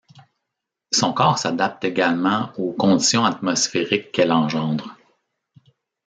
Son corps s'adapte également aux conditions atmosphériques qu'elle engendre.